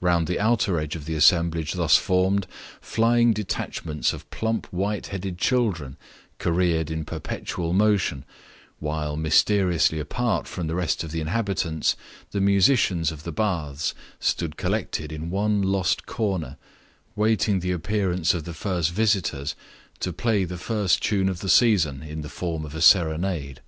Round the outer edge of the assemblage thus formed, flying detachments of plump white headed children careered in perpetual motion; while, mysteriously apart from the rest of the inhabitants, the musicians of the Baths stood collected in one lost corner, waiting the appearance of the first visitors to play the first tune of the season in the form of a serenade.